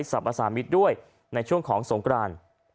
ผิดกฎหมายสรรพสามิตรด้วยในช่วงของสงกราญ